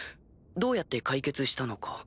どうやって解決したのか。